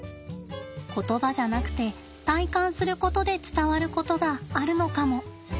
言葉じゃなくて体感することで伝わることがあるのかも。